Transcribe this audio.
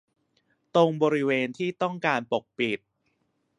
ตรงบริเวณที่ต้องการปกปิด